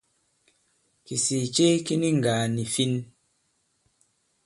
Kìsìì ce ki ni ŋgàà nì fin.